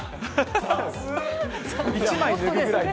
一枚脱ぐぐらいで。